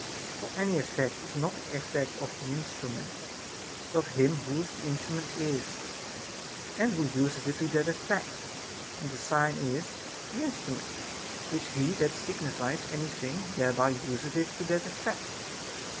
For any effect is not the effect of the instrument, but of him whose the instrument is, and who useth it to that effect ; and a sign is an instrument, which he that signifies any thing thereby useth to that effect.